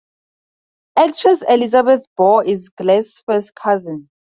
Actress Elizabeth Baur is Gless's first cousin.